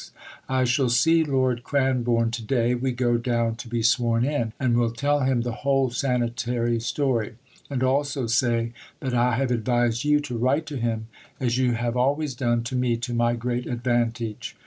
I shall see Lord Cranborne to day (we go down to be sworn in) and will tell him the whole sanitary story, and also say that I have advised you to write to him as you have always done to me to my great advantage.